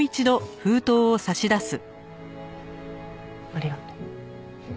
ありがとう。